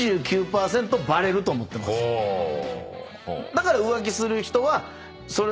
だから。